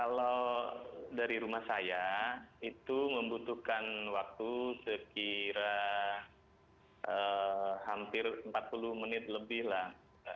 kalau dari rumah saya itu membutuhkan waktu sekira hampir empat puluh menit lebih lah